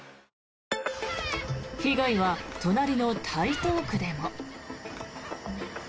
被害は隣の台東区でも。